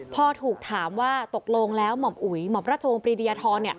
พอถูกถามว่าตกลงแล้วหม่อมราชวงศ์ปรีดียทร